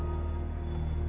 tentang apa yang terjadi